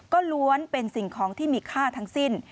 ก็ล้วนเป็นสิ่งของที่มีค่าทั้งสิ้น